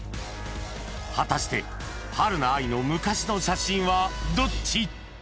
［果たしてはるな愛の昔の写真はどっち？］